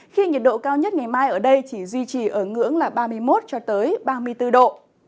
khi nhiệt độ cao nhất ngày mai ở đây chỉ duy trì ở ngưỡng là ba mươi một cho tới ba mươi bốn độ